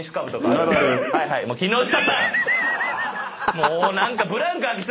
もう何か。